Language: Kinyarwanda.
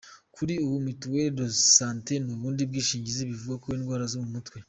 Kuri ubu mituelle de santé n’ubundi bwishingizi bivura indwara zo mu mutwe.